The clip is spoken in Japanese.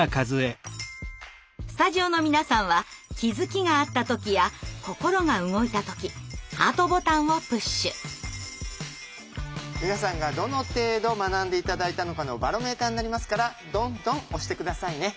スタジオの皆さんは皆さんがどの程度学んで頂いたのかのバロメーターになりますからどんどん押して下さいね。